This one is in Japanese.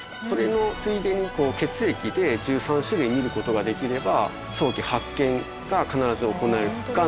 それのついでに血液で１３種類見ることができれば、早期発見が必ず行えると。